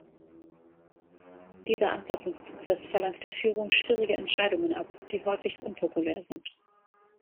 Dieser Anpassungsprozess verlangt der Führung schwierige Entscheidungen ab, die häufig unpopulär sind.